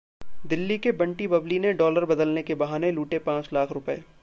दिल्ली के 'बंटी-बबली' ने डॉलर बदलने के बहाने लूटे पांच लाख रुपये